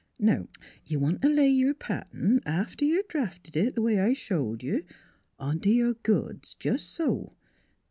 ... Now you want t' lay your pattern after you've drafted it, the way I showed you ont' your goods, jes' so.